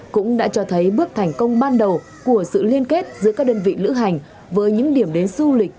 cũng đã cho thấy bước thành công ban đầu của sự liên kết giữa các đơn vị lữ hành với những điểm đến du lịch